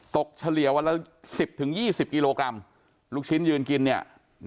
เฉลี่ยวันละ๑๐๒๐กิโลกรัมลูกชิ้นยืนกินเนี่ย